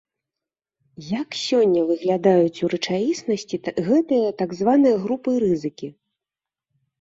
Як сёння выглядаюць у рэчаіснасці гэтыя так званыя групы рызыкі?